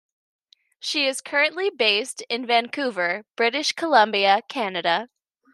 She is currently based in Vancouver, British Columbia, Canada.